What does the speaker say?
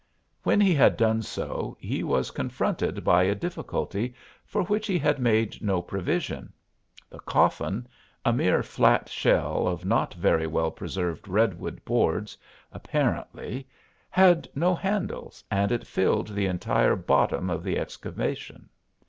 When he had done so he was confronted by a difficulty for which he had made no provision; the coffin a mere flat shell of not very well preserved redwood boards, apparently had no handles, and it filled the entire bottom of the excavation.